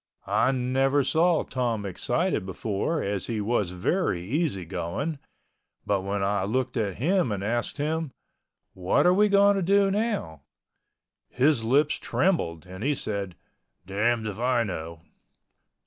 I never saw Tom excited before as he was very easy going, but when I looked at him and asked him, "What are we going to do now?" his lips trembled and he said, "Damned if I know."